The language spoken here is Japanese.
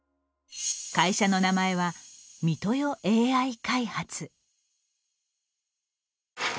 会社の名前は三豊ＡＩ開発。